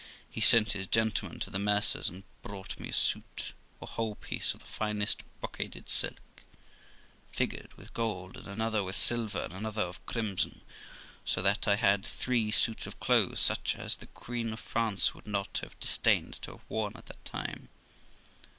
He sent his gentleman to the mercer's, and bought me a suit, or whole piece, of the finest brocaded silk, figured with gold, and another with silver, and another of crimson; so that I had three suits of clothes, such as the Queen of France would not have disdained to have worn at that time.